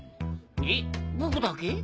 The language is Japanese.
えっ僕だけ？